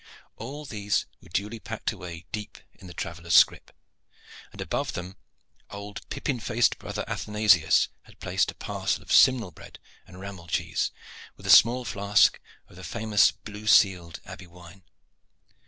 All these were duly packed away deep in the traveller's scrip, and above them old pippin faced brother Athanasius had placed a parcel of simnel bread and rammel cheese, with a small flask of the famous blue sealed Abbey wine.